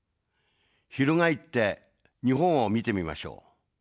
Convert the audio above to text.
翻って日本を見てみましょう。